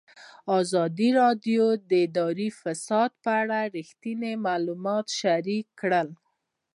ازادي راډیو د اداري فساد په اړه رښتیني معلومات شریک کړي.